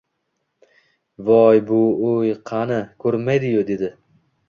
— Voy-bu-uy, qani, ko‘rinmaydi-yu? — dedi.